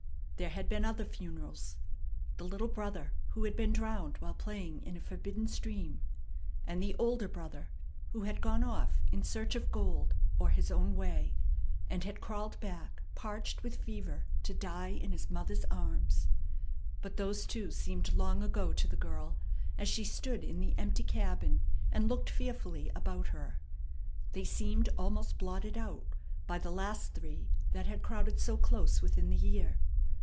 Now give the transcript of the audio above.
There had been other funerals, the little brother who had been drowned while playing in a forbidden stream, and the older brother who had gone off in search of gold or his own way, and had crawled back parched with fever to die in his mother's arms. But those, too, seemed long ago to the girl as she stood in the empty cabin and looked fearfully about her. They seemed almost blotted out by the last three that had crowded so close within the year.